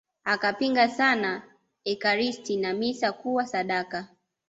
Akapinga sana Ekaristi na misa kuwa sadaka